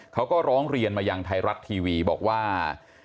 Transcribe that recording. เขาก็ร้องเรียนมายังไทยรัฐทีวีบอกว่า